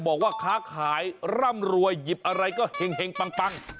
บอกว่าค้าขายร่ำรวยหยิบอะไรก็เห็งปัง